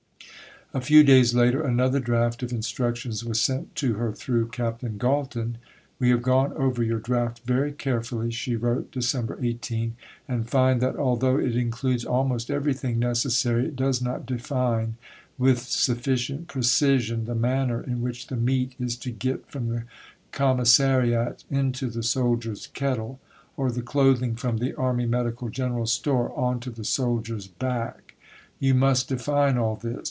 A few days later another draft of instructions was sent to her through Captain Galton. "We have gone over your draft very carefully," she wrote (Dec. 18), "and find that although it includes almost everything necessary, it does not define with sufficient precision the manner in which the meat is to get from the Commissariat into the soldier's kettle, or the clothing from the Army Medical General store on to the soldier's back. You must define all this.